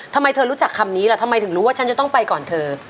ทำไมเธอรู้จักคำนี้ล่ะทำไมถึงรู้ว่าฉันจะต้องไปก่อนเธอ